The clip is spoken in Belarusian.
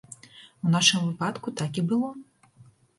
У нашым выпадку так і было.